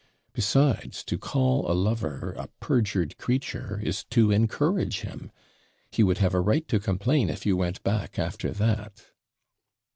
Besides, to call a lover a perjured creature is to encourage him. He would have a right to complain if you went back after that.'